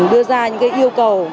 đưa ra những yêu cầu